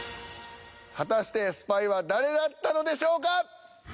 果たしてスパイは誰だったのでしょうか？